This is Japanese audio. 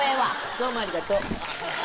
どうもありがとう！